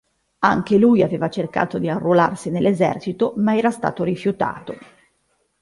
Anche lui aveva cercato di arruolarsi nell'esercito, ma era stato rifiutato.